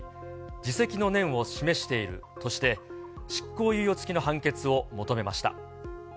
自責の念を示しているとして、執行猶予付きの判決を求めました。